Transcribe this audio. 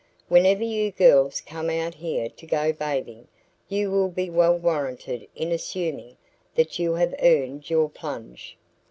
"Whenever you girls come out here to go bathing, you will be well warranted in assuming that you have earned your plunge."